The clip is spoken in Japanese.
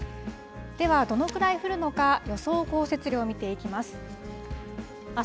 ではどのくらい降るのか、予想降雪量を見ていきます。